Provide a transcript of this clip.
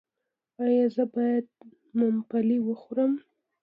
ایا زه باید ممپلی وخورم؟